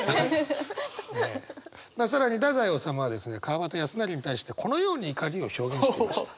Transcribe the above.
更に太宰治はですね川端康成に対してこのように怒りを表現していました。